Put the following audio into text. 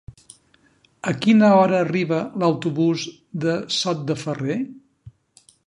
A quina hora arriba l'autobús de Sot de Ferrer?